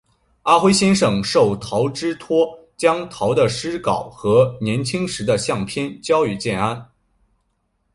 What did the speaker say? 阿辉先生受陶之托将陶的诗稿和年轻时的相片交给建安。